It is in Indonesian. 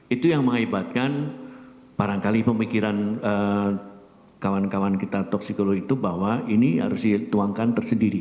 itu yang mengakibatkan barangkali pemikiran kawan kawan kita toksikologi itu bahwa ini harus dituangkan tersendiri